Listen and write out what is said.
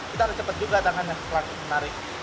kita harus cepat juga tangannya